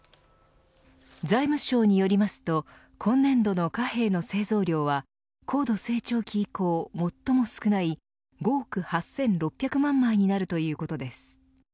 財務省によりますと今年度の貨幣の製造量は高度成長期以降、最も少ない５億８６００万枚になるということです。